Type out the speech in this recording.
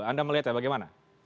anda melihatnya bagaimana